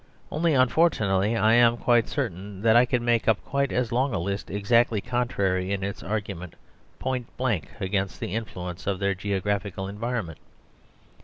Only unfortunately I am quite certain that I could make up quite as long a list exactly contrary in its argument point blank against the influence of their geographical environment.